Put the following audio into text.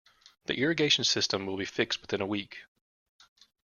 The irrigation system will be fixed within a week.